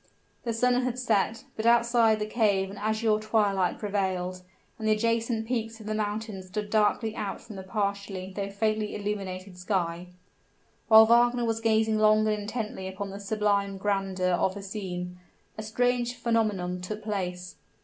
The sun had set: but outside the cave an azure twilight prevailed, and the adjacent peaks of the mountains stood darkly out from the partially though faintly illuminated sky. While Wagner was gazing long and intently upon the sublime grandeur of the scene, a strange phenomenon took place.